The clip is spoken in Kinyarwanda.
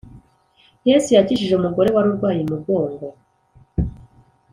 yesu yakijije umugore wari urwaye imugongo